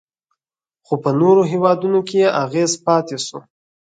خو په نورو هیوادونو کې یې اغیز پاتې شو